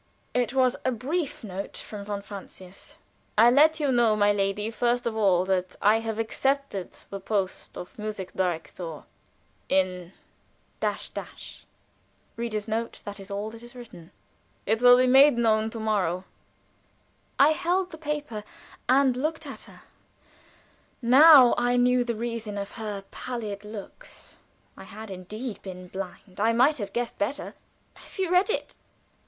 It was a brief note from von Francius. "I let you know, my lady, first of all that I have accepted the post of Musik Direktor in . It will be made known to morrow." I held the paper and looked at her. Now I knew the reason of her pallid looks. I had indeed been blind. I might have guessed better. "Have you read it?"